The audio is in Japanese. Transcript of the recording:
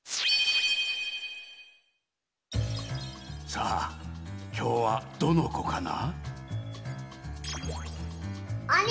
さあきょうはどのこかな？